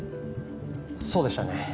そうでしたね